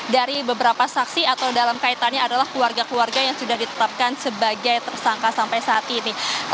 dari beberapa saksi atau dalam kaitannya adalah keluarga keluarga yang sudah ditetapkan sebagai tersangka sampai saat ini